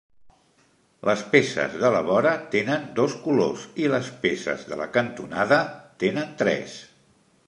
Les peces de la vora tenen dos colors, i les peces de la cantonada tenen tres.